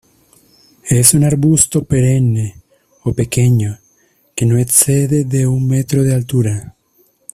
Es un arbusto perenne o pequeño que no excede de un metro de altura.